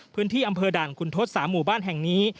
พื้นที่อำเภอด่านคุณทศ๓หมู่บ้านแห่งนี้